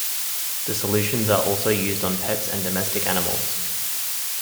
The solutions are also used on pets and domestic animals.